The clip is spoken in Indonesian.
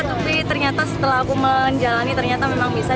tapi ternyata setelah aku menjalani ternyata memang bisa